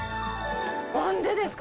何でですか？